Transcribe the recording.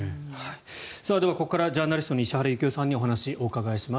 ではここからジャーナリストの石原行雄さんにお伺いします。